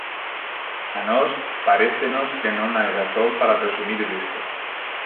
A nós parécenos que non hai razón para presumir disto.